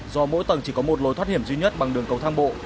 do mỗi tầng chỉ có một lối thoát hiểm duy nhất bằng đường cầu thang bộ